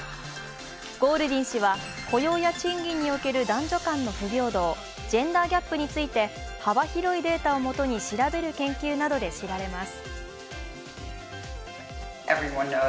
ゴールディン氏は雇用や賃金における男女間の不平等、ジェンダーギャップについて幅広いデータをもとに調べる研究などで知られます。